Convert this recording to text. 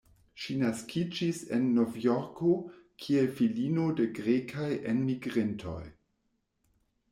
Ŝi naskiĝis en Novjorko, kiel filino de grekaj enmigrintoj.